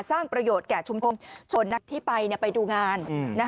สร้างประโยชน์แก่ชุมชนชนนักที่ไปไปดูงาน